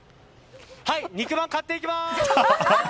肉まん買っていきます！